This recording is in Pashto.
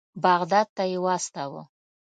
بغداد ته یې واستاوه.